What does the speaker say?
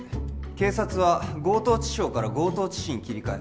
警察は強盗致傷から強盗致死に切り替え